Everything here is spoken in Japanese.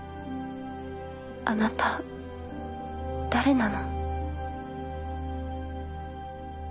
あなた誰なの？